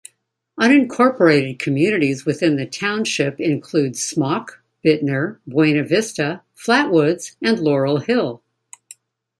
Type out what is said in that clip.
Unincorporated communities within the township include Smock, Bitner, Buena Vista, Flatwoods, and Laurel Hill.